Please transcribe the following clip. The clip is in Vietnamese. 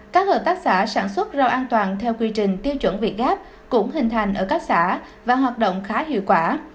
các hợp tác xã sản xuất rau an toàn theo quy trình tiêu chuẩn việt gáp cũng hình thành ở các xã và hoạt động khá hiệu quả